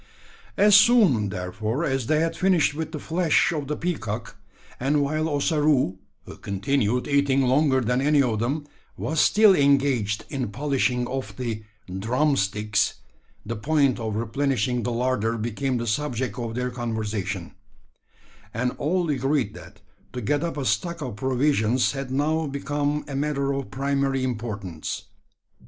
As soon, therefore, as they had finished with the flesh of the peacock and while Ossaroo, who continued eating longer than any of them, was still engaged in polishing off the "drumsticks" the point of replenishing the larder became the subject of their conversation; and all agreed that to get up a stock of provisions had now become a matter of primary importance.